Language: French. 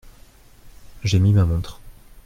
J’ai mis ma montre.